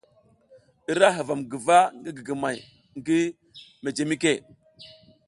I ra huvam guva ngi gigimay ngi mejemike.